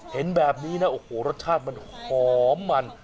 เห็นแบบนี้นะรสชาติมันหอมมันหอมมัน